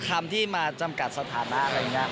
คำที่มาจำกัดสถานะ